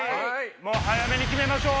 早めに決めましょう。